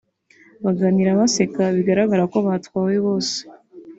baganira baseka bigaragara ko batwawe bose